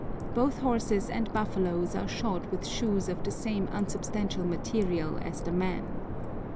Both horses and buffaloes are shod with shoes of the same unsubstantial material as the men.